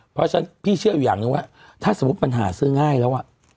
เพราะฉะนั้นพี่เชื่ออยู่อย่างนึงว่าถ้าสมมุติปัญหาซื้อง่ายแล้ว